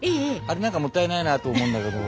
あれ何かもったいないなと思うんだけど。